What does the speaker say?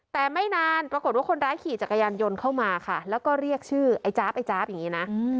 แต่ไม่นานปรากฏว่าคนร้ายขี่จักรยานยนต์เข้ามาค่ะแล้วก็เรียกชื่อไอ้จ๊าบไอ้จ๊าบอย่างนี้นะ